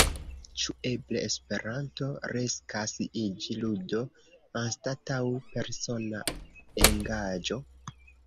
Ĉu eble Esperanto riskas iĝi ludo anstataŭ persona engaĝo?